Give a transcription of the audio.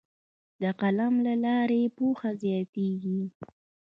د قلم له لارې پوهه زیاتیږي.